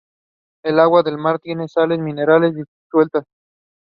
He was accompanied by his mother Velia.